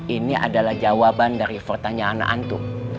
ini adalah jawaban dari pertanyaan itu